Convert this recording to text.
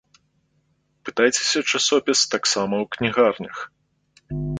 Пытайцеся часопіс таксама ў кнігарнях.